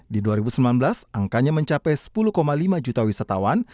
di dua ribu sembilan belas angkanya mencapai sepuluh lima juta wisatawan